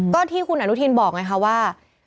ก็ที่คุณอนุทินบอกไงคะว่า